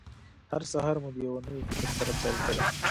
هر سهار مو د یوه نوي فکر سره پیل کړئ.